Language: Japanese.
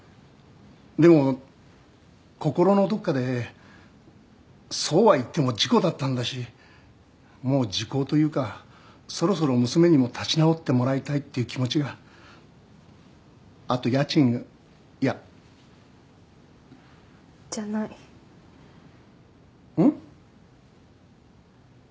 でも心のどっかでそうは言っても事故だったんだしもう時効というかそろそろ娘にも立ち直ってもらいたいっていう気持ちがあと家賃がいやじゃないん？